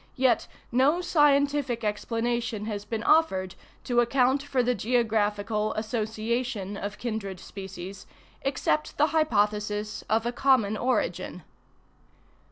Yet no scientific explanation has been offered to account for the geographical association of kindred species, except the hypothesis of a common origin.